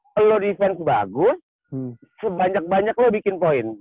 kalau defense bagus sebanyak banyak lo bikin poin